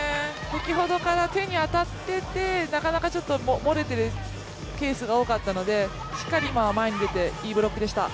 先ほどから手に当たっていて、なかなかちょっと漏れているケースが多かったので、今はしっかり前に出ていいブロックでした。